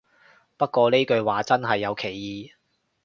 不過呢句話真係有歧義